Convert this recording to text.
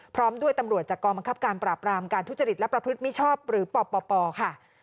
พร้อมด้วยตำรวจจากกองบังคับการปราบรามการทุจริตและประพฤติมิชชอบหรือปปค่ะ